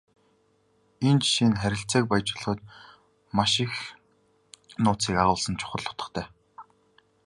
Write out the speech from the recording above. Энэхүү жишээ нь харилцааг баяжуулахад маш их нууцыг агуулсан чухал утгатай.